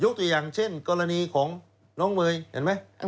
ตัวอย่างเช่นกรณีของน้องเมย์เห็นไหม